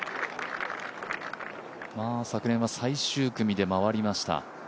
昨年は最終組で回りました。